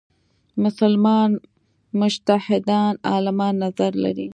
مسلمان مجتهدان عالمان نظر لري.